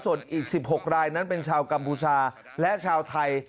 ส่วนอีก๑๖รายนั้นเป็นชาวกัมพูชาและชาวไทย